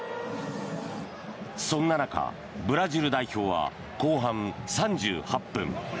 そんな中、ブラジル代表は後半３８分。